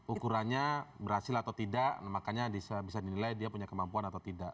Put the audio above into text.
ukurannya berhasil atau tidak makanya bisa dinilai dia punya kemampuan atau tidak